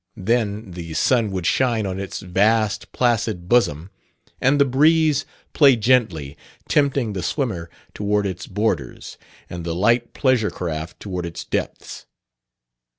Then the sun would shine on its vast placid bosom and the breeze play gently, tempting the swimmer toward its borders and the light pleasure craft toward its depths.